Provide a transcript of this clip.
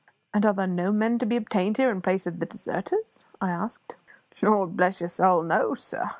"And are there no men to be obtained here in place of the deserters?" I asked. "Lord bless your soul, no, sir!